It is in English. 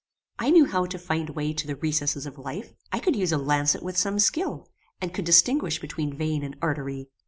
I knew how to find way to the recesses of life. I could use a lancet with some skill, and could distinguish between vein and artery.